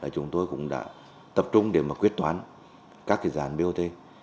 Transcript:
chúng tôi cũng đã tập trung để quyết toán các dàn bot